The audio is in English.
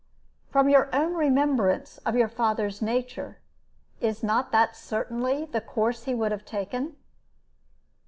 From your own remembrance of your father's nature, is not that certainly the course he would have taken?"